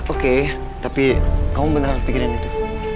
oke tapi kamu bentar pikirin itu